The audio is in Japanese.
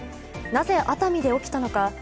なぜ熱海で起きたのか。